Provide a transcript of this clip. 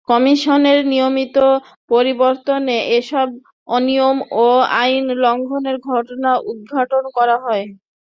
কমিশনের নিয়মিত পরিদর্শনে এসব অনিয়ম ও আইন লঙ্ঘনের ঘটনা উদ্ঘাটন করা হয়।